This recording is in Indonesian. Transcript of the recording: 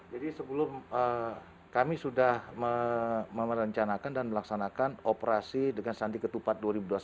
jadi sebelum kami sudah memerencanakan dan melaksanakan operasi dengan sandi ketupat dua ribu dua puluh satu